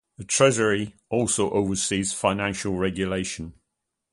The Treasurer also oversees financial regulation.